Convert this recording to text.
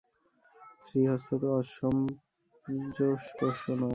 শ্রীহস্ত তো অসূর্যম্পশ্য নয়।